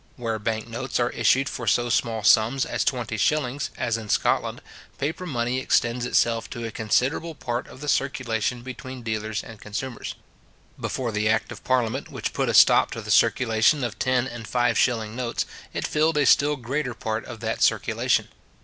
Where bank notes are issued for so small sums as 20s. as in Scotland, paper money extends itself to a considerable part of the circulation between dealers and consumers. Before the Act of parliament which put a stop to the circulation of ten and five shilling notes, it filled a still greater part of that circulation.